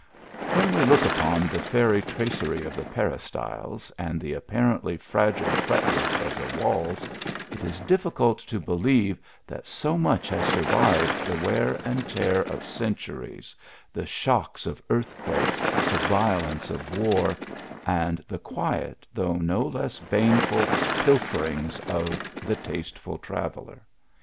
When we look upon the fairy tracery of the peristyles, and the appar ently fragile fret work of the walls, it is difficult to believe that so much has survived the wear and ten of centuries, the shocks of earthquakes, the violence of war, and the quiet, though no less baneful, pilfer 36 THE ALHAMEEA. ings of the tasteful traveller.